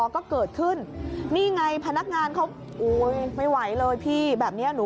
ก็ไม่ว่ากับใครนะคะพี่ไม่ควรทำแบบนี้ด้วยค่ะ